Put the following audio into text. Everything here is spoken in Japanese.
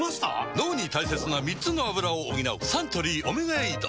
脳に大切な３つのアブラを補うサントリー「オメガエイド」